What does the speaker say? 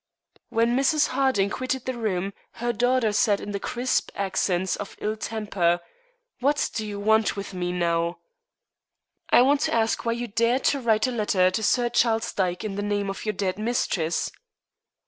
When Mrs. Harding quitted the room her daughter said in the crisp accents of ill temper: "What do you want with me, now?" "I want to ask why you dared to write a letter to Sir Charles Dyke in the name of your dead mistress."